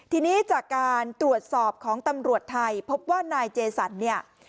ทีนี้จากการตรวจสอบของตำรวจไทยพบว่านายเจสันเนี่ย